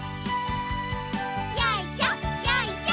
よいしょよいしょ。